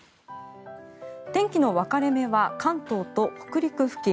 天気の分かれ目は関東と北陸付近。